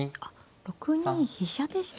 ６二飛車でした。